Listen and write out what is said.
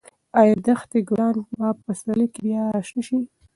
ایا د دښتې ګلان به په پسرلي کې بیا راشنه شي؟